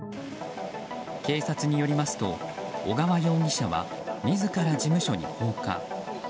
警察によりますと小川容疑者は自ら事務所に放火。